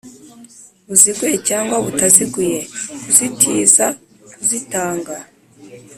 buziguye cyangwa butaziguye kuzitiza kuzitanga